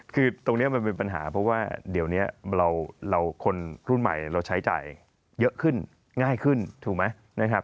คือตรงนี้มันเป็นปัญหาเพราะว่าเดี๋ยวนี้เราคนรุ่นใหม่เราใช้จ่ายเยอะขึ้นง่ายขึ้นถูกไหมนะครับ